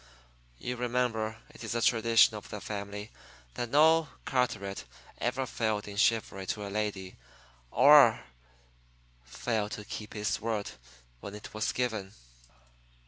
You remember, it is a tradition of the family, that no Carteret ever failed in chivalry to a lady or failed to keep his word when it was given."